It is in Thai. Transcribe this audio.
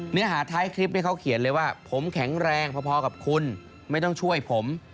เนื้อหาท้ายคลิปนี้เขาเขียนเลยว่าผมแข็งแรงพอกับคุณไม่ต้องช่วยผม